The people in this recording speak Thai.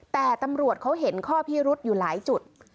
แต่ตำรวจเขาเห็นข้อพิรุษอยู่หลายจุด